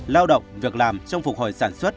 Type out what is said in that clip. lao động việc làm trong phục hồi sản xuất